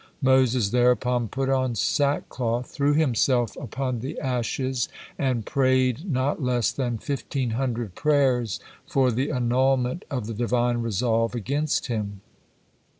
Moses thereupon put on sackcloth, threw himself upon the ashes, and prayed not less than fifteen hundred prayers for the annulment of the Divine resolve against him.